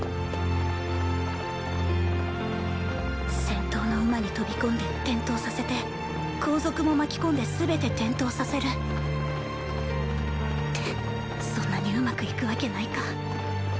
先頭の馬に飛び込んで転倒させて後続も巻き込んで全て転倒させるってそんなにうまくいくわけないか。